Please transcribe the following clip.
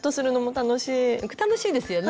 楽しいですよね。